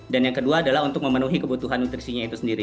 dan yang kedua adalah untuk memenuhi kebutuhan nutrisinya itu sendiri